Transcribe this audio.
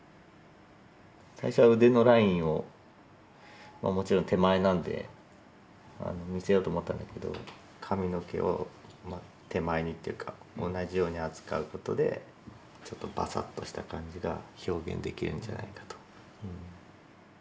最初は腕のラインをもちろん手前なんで見せようと思ったんだけど髪の毛を手前にというか同じように扱うことでちょっとバサッとした感じが表現できるんじゃないかと。